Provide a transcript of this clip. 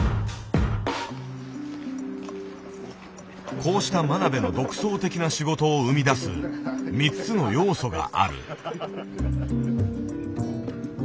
こうした真鍋の独創的な仕事を生み出す３つの要素がある。